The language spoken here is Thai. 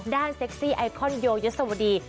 เซ็กซี่ไอคอนโยยศวดี